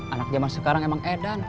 anak zaman sekarang emang edan